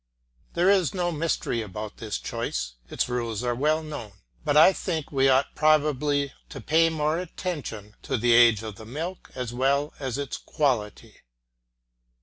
There is no mystery about this choice; its rules are well known, but I think we ought probably to pay more attention to the age of the milk as well as its quality.